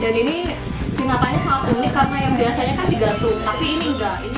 dan ini pinatanya sangat unik karena yang biasanya kan digantung tapi ini enggak